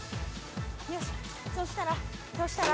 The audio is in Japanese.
よしそしたらそしたら。